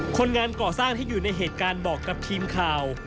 คนงานก่อสร้างที่อยู่ในเหตุการณ์บอกกับทีมข่าว